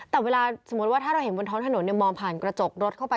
แต่เวลาสมมุติว่าถ้าเราเห็นบนท้องถนนมองผ่านกระจกรถเข้าไป